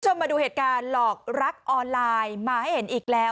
มาดูเหตุการณ์หลอกรักออนไลน์มาให้เห็นอีกแล้ว